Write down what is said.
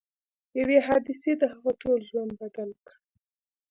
یوې حادثې د هغه ټول ژوند بدل کړ